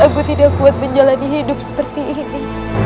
aku tidak kuat menjalani hidup seperti ini